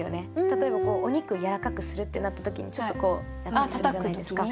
例えばお肉やらかくするってなった時にちょっとこうやったりするじゃないですか。